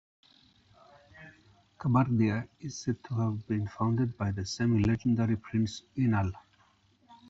Kabardia is said to have been founded by the semi-legendary Prince Inal.